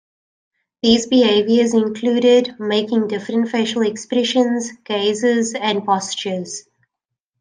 These behaviors included making different facial expressions, gazes, and postures.